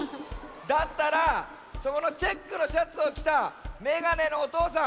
だったらそこのチェックのシャツをきたメガネのおとうさん。